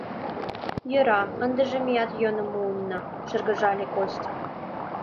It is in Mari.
— Йӧра, ындыже меат йӧным муынна, — шыргыжале Костя.